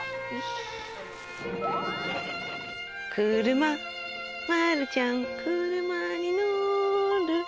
「車マルちゃん車に乗る」